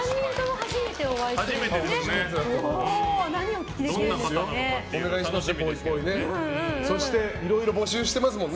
初めてですね。